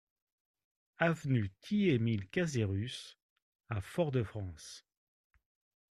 Avenue Ti-Émile Casérus à Fort-de-France